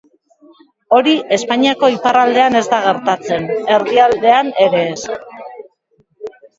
Hori Espainiako iparraldean ez da gertatzen, erdialdean ere ez.